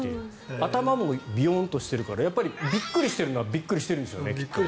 頭もビヨンとしているからびっくりしているのはびっくりしているんでしょうね。